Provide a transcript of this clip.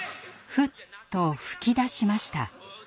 ふっと吹き出しました。